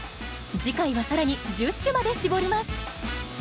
次回は更に１０首まで絞ります。